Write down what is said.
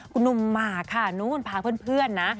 กุนุ่มหมาค่ะพาเพื่อนนะ